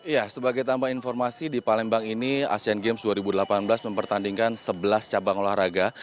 ya sebagai tambah informasi di palembang ini asean games dua ribu delapan belas mempertandingkan sebelas cabang olahraga